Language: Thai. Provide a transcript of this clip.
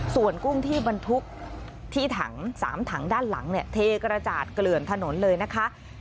ส่วนกุ้งที่บรรทุกที่ถัง๓ถังด้านหลังเนี่ยเทกระจาดเกลื่อนถนนเลยนะคะ